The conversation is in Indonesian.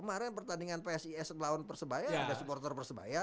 ada pertandingan psis lawan persebaya ada supporter persebaya